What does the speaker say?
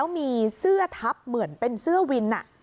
มีเสื้อทับเหมือนเป็นเสื้อวิน